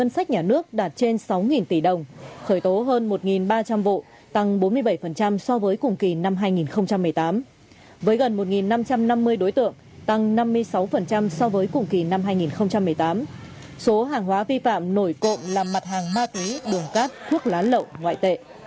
số hàng hóa vi phạm nổi cộng là mặt hàng ma túy đường cát thuốc lá lậu ngoại tệ